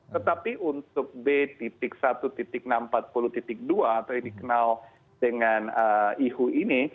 tetapi untuk b satu enam ratus empat puluh dua atau yang dikenal dengan ihu ini